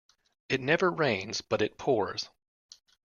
It never rains but it pours.